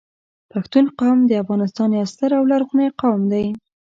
پښتون قوم د افغانستان یو ستر او لرغونی قوم دی